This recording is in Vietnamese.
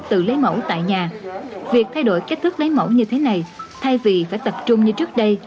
tự lấy mẫu tại nhà việc thay đổi cách thức lấy mẫu như thế này thay vì phải tập trung như trước đây